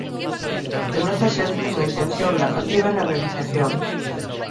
Denota sempre unha intención narrativa na realización.